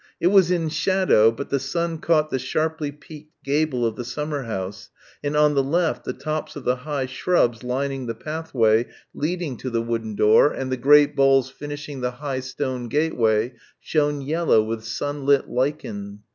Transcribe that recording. It was in shadow, but the sun caught the sharply peaked gable of the summer house and on the left the tops of the high shrubs lining the pathway leading to the wooden door and the great balls finishing the high stone gateway shone yellow with sunlit lichen.